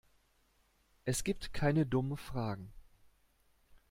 Es gibt keine dummen Fragen.